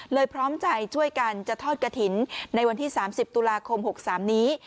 พร้อมใจช่วยกันจะทอดกระถิ่นในวันที่๓๐ตุลาคม๖๓นี้